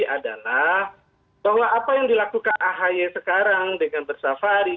adalah bahwa apa yang dilakukan ahy sekarang dengan bersafari